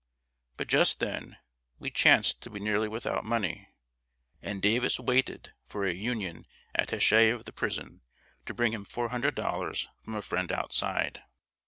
But just then, we chanced to be nearly without money, and Davis waited for a Union attaché of the prison to bring him four hundred dollars from a friend outside.